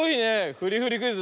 「ふりふりクイズ」